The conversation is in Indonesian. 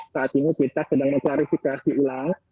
saat ini kita sedang mencari situasi ulang